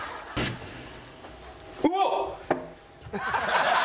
うわっ！